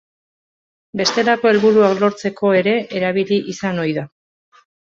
Bestelako helburuak lortzeko ere erabili izan ohi da.